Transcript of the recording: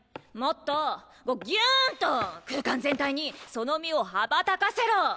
もっとギュンと空間全体にその身を羽ばたかせろ！